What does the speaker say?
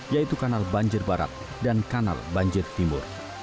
yaitu kanal banjir barat dan kanal banjir timur